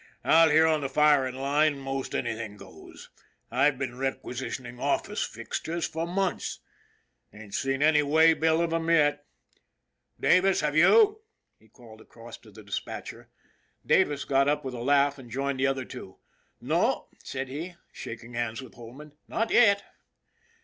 Out here on the firing line most anything goes. I've been requisitioning office fixtures for months. Ain't seen any way bill of them yet, Davis, have you? " he called across to the despatcher. Davis got up with a laugh and joined the other two, " No," said he, shaking hands with Holman, " not yet."